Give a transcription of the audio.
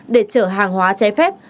để chở hàng hóa chế phép